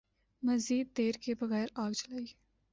مزید دیر کئے بغیر آگ جلائی ۔